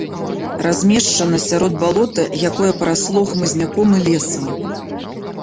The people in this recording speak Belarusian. Размешчана сярод балота, якое парасло хмызняком і лесам.